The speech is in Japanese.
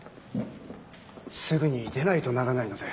すぐに出ないとならないので。